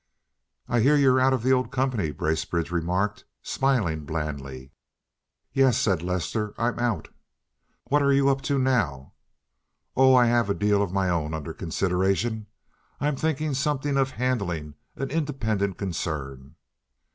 "I hear you're out of the old company," Bracebridge remarked, smiling blandly. "Yes," said Lester, "I'm out." "What are you up to now?" "Oh, I have a deal of my own under consideration, I'm thinking something of handling an independent concern."